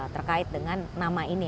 terkait dengan nama ini